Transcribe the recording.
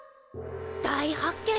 大発見